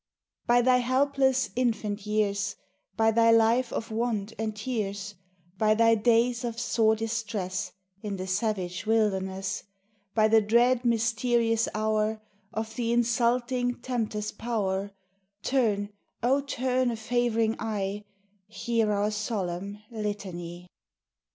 By Thy helpless infant years; By Thy life of want and tears; By Thy days of sore distress In the savage wilderness; By the dread mysterious hour Of the insulting tempter's power, Turn, O, turn a favoring eye, Hear our solemn litany!